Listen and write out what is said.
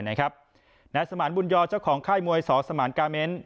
นายสมานบุญยอเจ้าของค่ายมวยสอสมานกาเม้น